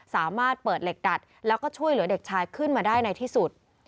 สามารถเปิดเหล็กดัดแล้วก็ช่วยเหลือเด็กชายขึ้นมาได้ในที่สุด